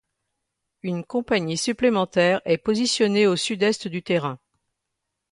Une compagnie supplémentaire est positionnée au sud-est du terrain.